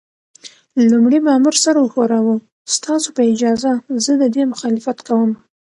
لومړي مامور سر وښوراوه: ستاسو په اجازه، زه د دې مخالفت کوم.